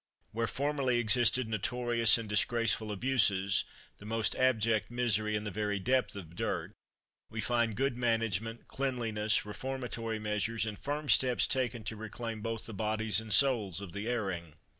Where formerly existed notorious and disgraceful abuses, the most abject misery, and the very depth of dirt, we find good management, cleanliness, reformatory measures, and firm steps taken to reclaim both the bodies and souls of the erring.